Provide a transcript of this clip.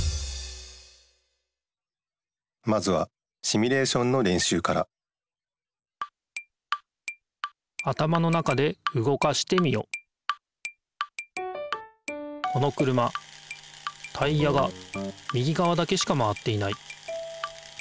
まずはシミュレーションのれんしゅうからこの車タイヤが右がわだけしか回っていない。